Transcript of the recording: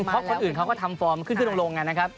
เพราะคนอื่นเขาก็ทำฟอร์มขึ้นลงนะครับ